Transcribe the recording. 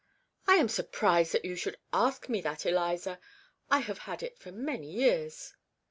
'I am surprised that you should ask me that, Eliza. I have had it for many years.'